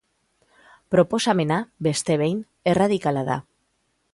Proposamena, beste behin, erradikala da.